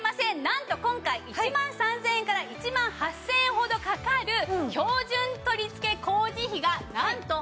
なんと今回１万３０００円から１万８０００円ほどかかる標準取り付け工事費がなんと無料です！